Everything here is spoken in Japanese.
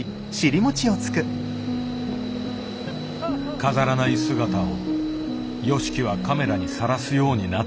飾らない姿をＹＯＳＨＩＫＩはカメラにさらすようになっていた。